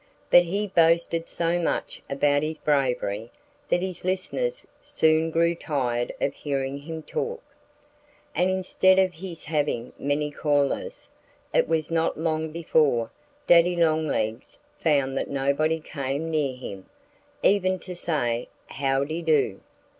But he boasted so much about his bravery that his listeners soon grew tired of hearing him talk. And instead of his having many callers, it was not long before Daddy Longlegs found that nobody came near him, even to say howdy do.